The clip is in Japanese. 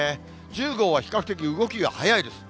１０号は比較的動きが速いです。